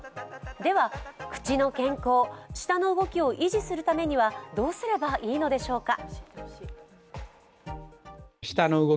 では、口の健康・舌の動きを維持するためにはどうすればいいのでしょうか。